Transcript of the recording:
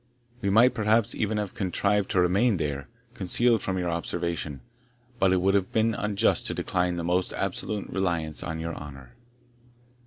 "We might perhaps have even contrived to remain there, concealed from your observation; but it would have been unjust to decline the most absolute reliance on your honour."